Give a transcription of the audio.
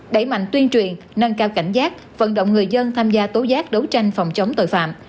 đẩy mạnh tuyên truyền nâng cao cảnh giác vận động người dân tham gia tố giác đấu tranh phòng chống tội phạm